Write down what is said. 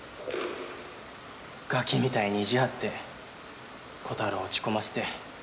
ガキみたいに意地張ってコタロー落ち込ませて。